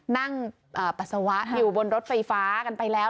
ปัสสาวะอยู่บนรถไฟฟ้ากันไปแล้ว